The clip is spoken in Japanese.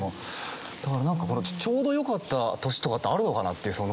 だからなんかこのちょうどよかった年とかってあるのかなっていうその。